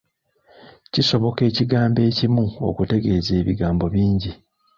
Kisoboka ekigambo ekimu okutegeeza ebigambo bingi.